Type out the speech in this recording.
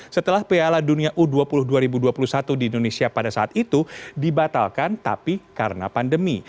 setelah piala dunia u dua puluh dua ribu dua puluh satu di indonesia pada saat itu dibatalkan tapi karena pandemi